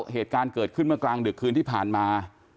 เหตุการณ์เกิดขึ้นเมื่อกลางดึกคืนที่ผ่านมา